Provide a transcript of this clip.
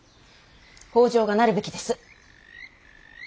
北条がなるべきです。